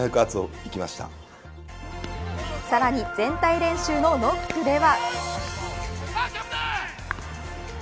さらに全体練習のノックでは。